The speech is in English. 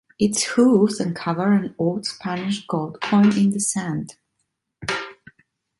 Its hooves uncover an old Spanish gold coin in the sand.